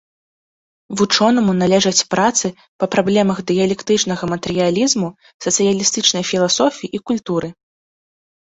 Вучонаму належаць працы па праблемах дыялектычнага матэрыялізму, сацыялістычнай філасофіі і культуры.